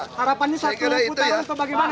harapannya satu putaran bagaimana